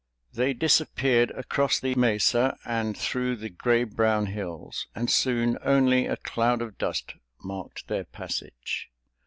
They disappeared across the mesa and through the gray brown hills, and soon only a cloud of dust marked their passage.